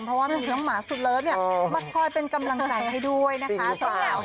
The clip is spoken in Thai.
เพราะว่ามีน้องหมาสุดเลิฟเนี่ยมาคอยเป็นกำลังใจให้ด้วยนะคะ